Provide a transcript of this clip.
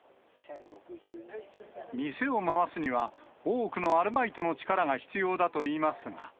店を回すには、多くのアルバイトの力が必要だといいますが。